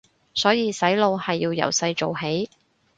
所以洗腦係要由細做起